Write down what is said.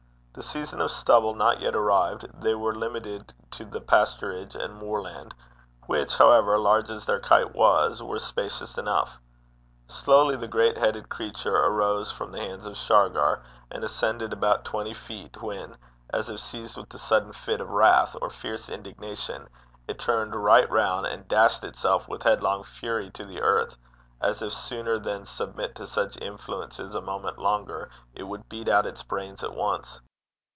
The season of stubble not yet arrived, they were limited to the pasturage and moorland, which, however, large as their kite was, were spacious enough. Slowly the great headed creature arose from the hands of Shargar, and ascended about twenty feet, when, as if seized with a sudden fit of wrath or fierce indignation, it turned right round and dashed itself with headlong fury to the earth, as if sooner than submit to such influences a moment longer it would beat out its brains at once.